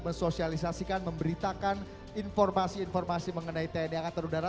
mensosialisasikan memberitakan informasi informasi mengenai tni angkatan udara